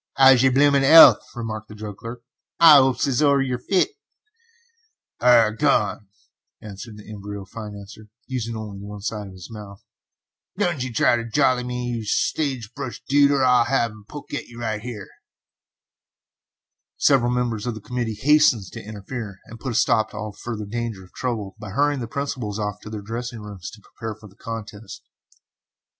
"'Ow's yer bloomin' 'ealth?" remarked the drug clerk. "Hi 'opes as 'ow yer fit." "Ah h h, go arn," answered the embryo financier, using only one side of his mouth, "don't try ter jolly me, yer sage brush dude, or I'll give yer a poke right here." Several members of the committee hastened to interfere, and put a stop to all further danger of trouble by hurrying the principals off to their dressing rooms to prepare for the contest.